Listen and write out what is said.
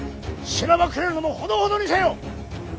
しらばくれるのもほどほどにせよ！